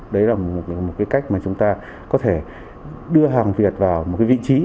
đấy là một cái cách mà chúng ta có thể đưa hàng việt vào một cái vị trí